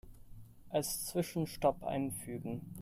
Als Zwischenstopp einfügen.